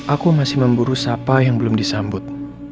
aku masih memburu sapa yang belum disambut